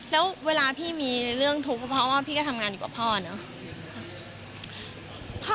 แล้วเวลาพี่มีเรื่องทุกข์ก็เพราะว่าพี่ก็ทำงานดีกว่าพ่อเนอะ